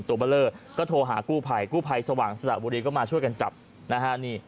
เบอร์เลอร์ก็โทรหากู้ภัยกู้ภัยสว่างสระบุรีก็มาช่วยกันจับนะฮะนี่